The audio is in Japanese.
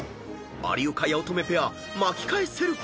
［有岡・八乙女ペア巻き返せるか］